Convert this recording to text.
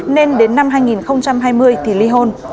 nên đến năm hai nghìn hai mươi thì ly hôn